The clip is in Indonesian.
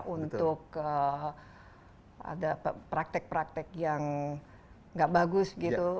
untuk ada praktek praktek yang gak bagus gitu